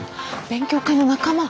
勉強会の仲間。